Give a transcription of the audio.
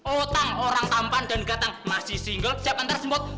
otang orang tampan dan gatang masih single siapa ntar sembot